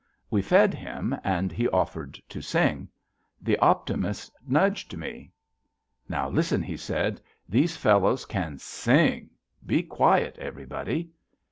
We fed him, and he offered to sing. The Optimist nudged me. "Now, listen," he said; "these fellows can sing. Be quiet, everybody!"